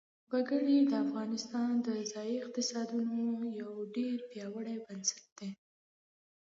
وګړي د افغانستان د ځایي اقتصادونو یو ډېر پیاوړی بنسټ دی.